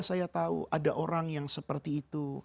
saya tahu ada orang yang seperti itu